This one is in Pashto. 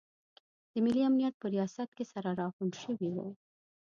د ملي امنیت په ریاست کې سره راغونډ شوي وو.